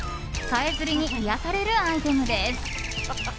さえずりに癒やされるアイテムです。